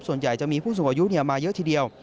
ส่วนใหญ่จะมีผู้สูงอายุมาเยอะทีเดียว